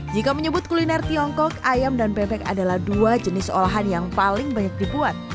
jika menyebut kuliner tiongkok ayam dan bebek adalah dua jenis olahan yang paling banyak dibuat